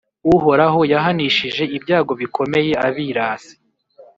Uhoraho yahanishije ibyago bikomeye abirasi,